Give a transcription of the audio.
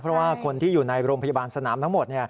เพราะว่าคนที่อยู่ในโรงพยาบาลสนามทั้งหมด